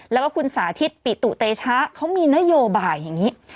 แล้วก็คุณสาธิตปิตุเตชะเขามีนโยบายอย่างนี้